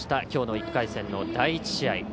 きょうの１回戦の第１試合。